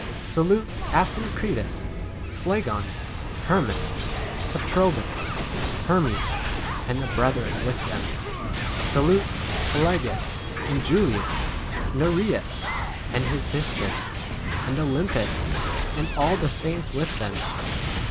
14 Salute Asyncritus, Phlegon, Her nias, Patrobas, Hermes, and the 15 brethren with them. Salute Phi lologus, and Julias, Nereus, and his sister, and Olympas, and all 16 the saints with them.